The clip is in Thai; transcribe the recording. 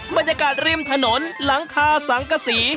บรรยากาศริมถนนหลังคาสังกษี